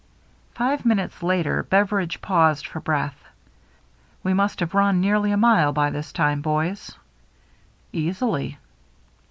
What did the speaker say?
Five minutes later Beveridge paused for breath. " We must have run nearly a mile by this time, boys." "Easily."